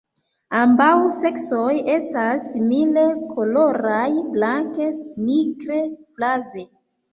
Ambaŭ seksoj estas simile koloraj, blanke, nigre, flave.